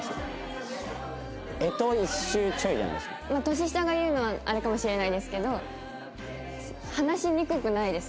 年下が言うのはあれかもしれないですけど話しにくくないです。